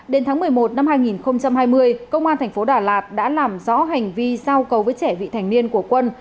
đến tháng một mươi một năm hai nghìn hai mươi công an thành phố đà lạt đã làm rõ hành vi giao cầu với trẻ vị thành niên của quân